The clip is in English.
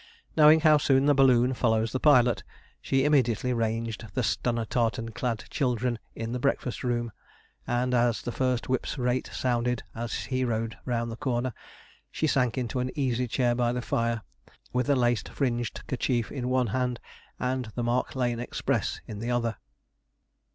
Knowing how soon the balloon follows the pilot, she immediately ranged the Stunner tartan clad children in the breakfast room; and as the first whip's rate sounded as he rode round the corner, she sank into an easy chair by the fire, with a lace fringed kerchief in the one hand and the Mark Lane Express in the other.